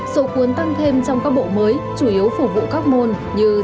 số cuốn tăng thêm trong các bộ mới chủ yếu phục vụ các môn như giáo dục